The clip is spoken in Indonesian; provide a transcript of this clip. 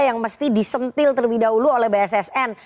yang mesti disentil terlebih dahulu oleh bssn